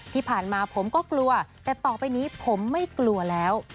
ที่ผ่านมาผมก็กลัวแต่ต่อไปนี้ผมไม่กลัวแล้ว